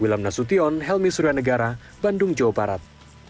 wilham nasution helmy suryanegara bandung jawa barat